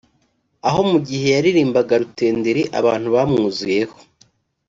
aho mu gihe yaririmbaga Rutenderi abantu bamwuzuyeho